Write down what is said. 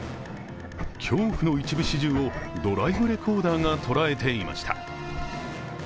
恐怖の一部始終をドライブレコーダーが捉えていました。